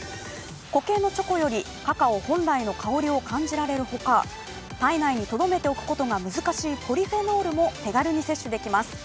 固形のチョコよりカカオ本来の香りを感じられるほか体内にとどめておくことが難しいポリフェノールも手軽に摂取できます。